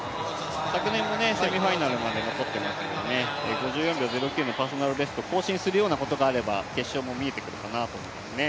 昨年もセミファイナルまで残っていますからね、５４秒０９のパーソナルベストを更新することがあれば決勝が見えてくるかなと。